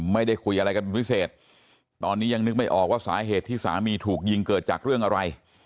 ไม่ได้คุยอะไรกันเป็นพิเศษตอนนี้ยังนึกไม่ออกว่าสาเหตุที่สามีถูกยิงเกิดจากเรื่องอะไร